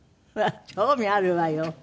興味あるわよ。